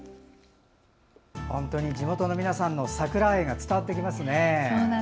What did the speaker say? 地元の皆さんの桜愛が伝わってきますね。